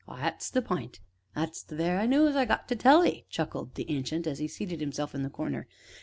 "Why, that's the p'int that's the very noos as I've got to tell 'ee," chuckled the Ancient, as he seated himself in the corner.